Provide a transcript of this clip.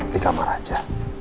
di kamar aja